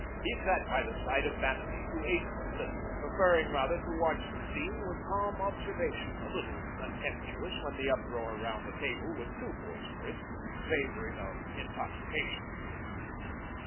He sat by the side of Vanamee, who ate but little, preferring rather to watch the scene with calm observation, a little contemptuous when the uproar around the table was too boisterous, savouring of intoxication.